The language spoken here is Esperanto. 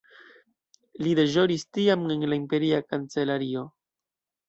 Li deĵoris tiam en la imperia kancelario.